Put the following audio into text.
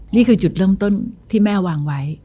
นี่คือจุดเริ่มต้นที่แม่วางไว้